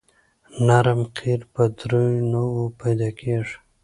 نرم قیر په دریو نوعو پیدا کیږي